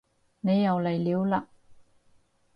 你又嚟料嘞